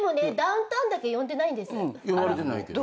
呼ばれてないけど。